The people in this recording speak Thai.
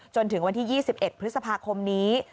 จนถึงวันที่๒๑พฤษภาคมนี้